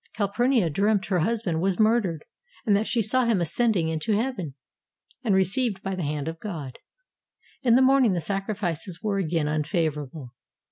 Calpurnia dreamt her husband was murdered, and that she saw him ascending into heaven, and received by the hand of God. In the morning the sacrifices were again unfavorable.